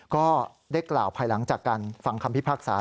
ก็ได้กล่าวภายหลังจากการฟังคำพิพากษา